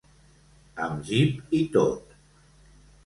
Amb jeep i tot.